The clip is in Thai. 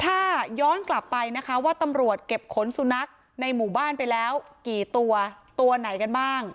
ถ้าย้อนกลับไปนะคะว่าตำรวจเก็บขนสุนัขในหมู่บ้านไปแล้วกี่ตัวตัวไหนกันบ้าง